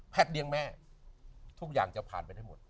เลี้ยงแม่ทุกอย่างจะผ่านไปได้หมด